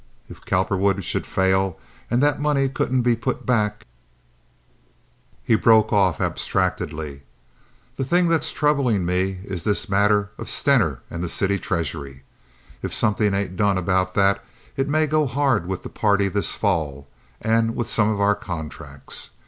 "If Cowperwood should fail and that money couldn't be put back—" He broke off abstractedly. "The thing that's troublin' me is this matter of Stener and the city treasury. If somethin' ain't done about that, it may go hard with the party this fall, and with some of our contracts.